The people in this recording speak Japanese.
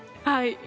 はい。